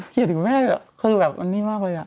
เขียนถึงแม่อ่ะคือแบบอันนี้มากเลยอ่ะ